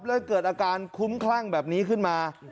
เกิดอาการคุ้มคลั่งแบบนี้ขึ้นมา